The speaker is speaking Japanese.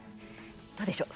どうでしょう。